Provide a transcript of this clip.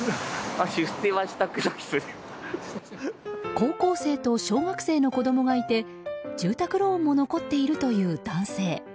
高校生と小学生の子供がいて住宅ローンも残っているという男性。